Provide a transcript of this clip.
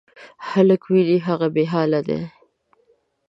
هلک وینې، هغه بېحاله دی.